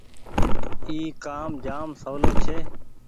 اي ڪآم جآم سولو ڇي۔